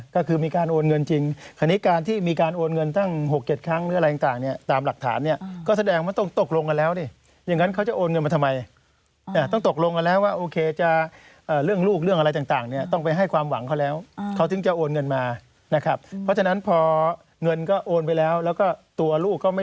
ก็คือมีการโอนเงินจริงคราวนี้การที่มีการโอนเงินตั้ง๖๗ครั้งหรืออะไรต่างเนี่ยตามหลักฐานเนี่ยก็แสดงว่าต้องตกลงกันแล้วนี่อย่างนั้นเขาจะโอนเงินมาทำไมต้องตกลงกันแล้วว่าโอเคจะเรื่องลูกเรื่องอะไรต่างเนี่ยต้องไปให้ความหวังเขาแล้วเขาถึงจะโอนเงินมานะครับเพราะฉะนั้นพอเงินก็โอนไปแล้วแล้วก็ตัวลูกก็ไม่